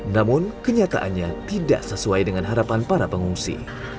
namun kenyataannya tidak sesuai dengan harapan para pengungsi